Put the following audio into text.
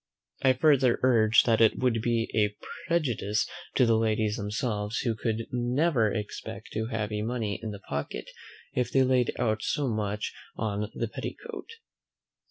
I further urged, that it would be a prejudice to the ladies themselves, who could never expect to have any money in the pocket if they laid out so much on the petticoat.